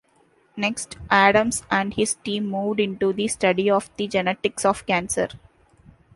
Next, Adams and his team moved into the study of the genetics of cancer.